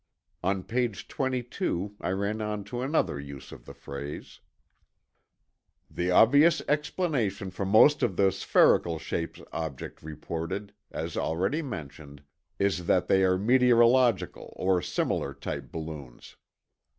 On page 22 I ran onto another use of the phrase: "The obvious explanation for most of the spherical shaped objects reported, as already mentioned, is that they are meteorological or similar type balloons.